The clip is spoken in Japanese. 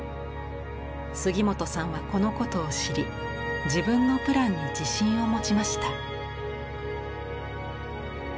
杉本さんはこのことを知り自分のプランに自信を持ちました。